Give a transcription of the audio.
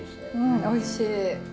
おいしい。